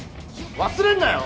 忘れんなよ！